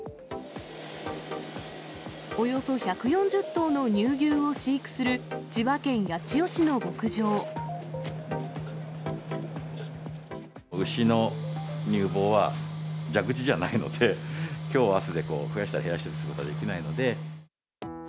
およそ１４０頭の乳牛を飼育する、牛の乳房は蛇口じゃないので、きょうあすで増やしたり、減らしたりすることはできないので。